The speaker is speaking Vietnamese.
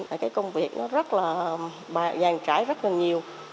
là cái công việc nó rất là vàng trải rất là nhiều